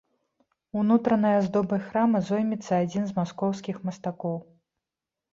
Унутранай аздобай храма зоймецца адзін з маскоўскіх мастакоў.